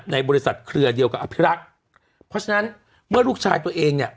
ในบริษัทเครือเดียวกับอภิรักษ์เพราะฉะนั้นเมื่อลูกชายตัวเองเนี่ย